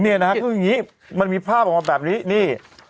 คืออย่างนี้มันมีภาพออกมาแบบนี้นี่